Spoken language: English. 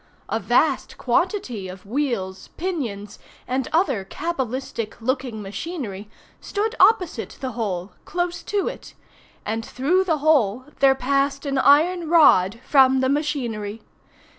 A vast quantity of wheels, pinions, and other cabalistic looking machinery stood opposite the hole, close to it; and through the hole there passed an iron rod from the machinery.